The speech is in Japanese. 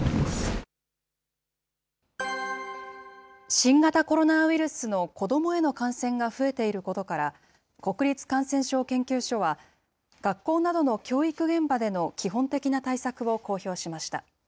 新型コロナウイルスの子どもへの感染が増えていることから、国立感染症研究所は、学校などの教育現場での基本的な対策を公表しました。